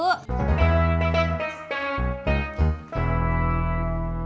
ya udah saya aja yang jalan bu